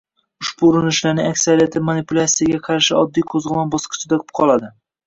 Ushbu urinishlarning aksariyati manipulyatsiyaga qarshi oddiy qo‘zg‘olon bosqichida qoladi